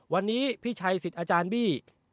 วันนี้พี่ชัยสิทธิ์อาจารย์บี้